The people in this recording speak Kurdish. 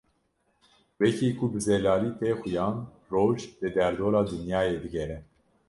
Wekî ku bi zelalî tê xuyan Roj li derdora Dinyayê digere.